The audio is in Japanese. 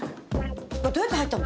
これどうやって入ったの？